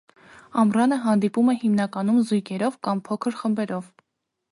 Ամռանը հանդիպում է հիմնականում զույգերով կամ փոքր խմբերով։